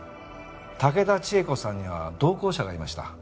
竹田千恵子さんには同行者がいました。